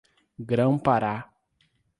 Grão-Pará